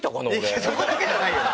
いやそこだけじゃないよ！